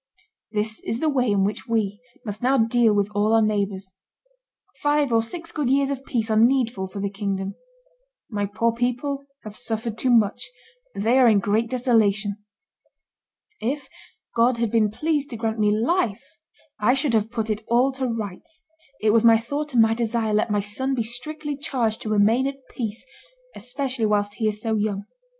This is the way in which we, must now deal with all our neighbors. Five or six good years of peace are needful for the kingdom. My poor people have suffered too much; they are in great desolation. If God had been pleased to grant me life, I should have put it all to rights; it was my thought and my desire, let my son be strictly charged to remain at peace, especially whilst he is so young.